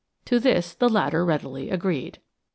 To this the latter readily agreed.